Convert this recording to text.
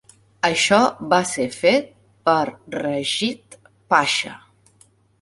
Això va ser fet per Reshid Pasha.